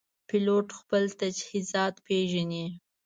پیلوټ خپل تجهیزات پېژني.